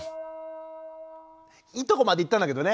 いいとこまでいったんだけどね。